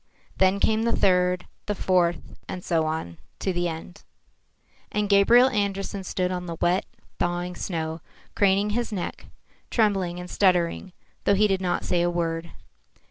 Then came the third, the fourth, and so on, to the end. And Gabriel Andersen stood on the wet, thawing snow, craning his neck, trembling and stuttering, though he did not say a word.